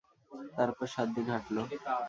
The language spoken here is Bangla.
তারপর সাতদিন হাঁটল।